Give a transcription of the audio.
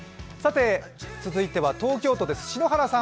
続いては東京都です、篠原さん。